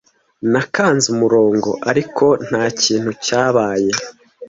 Nakanze umurongo, ariko ntakintu cyabaye.